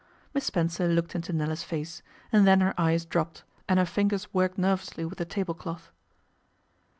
Miss Spencer looked into Nella's face, and then her eyes dropped, and her fingers worked nervously with the tablecloth.